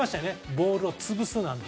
ボールを潰すって。